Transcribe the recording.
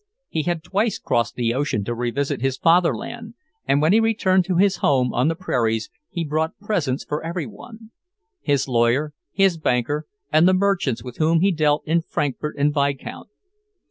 He had twice crossed the ocean to re visit his fatherland, and when he returned to his home on the prairies he brought presents for every one; his lawyer, his banker, and the merchants with whom he dealt in Frankfort and Vicount.